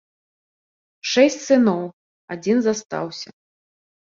Шэсць сыноў, адзін застаўся.